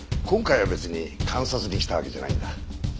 今回は別に監察に来たわけじゃないんだ。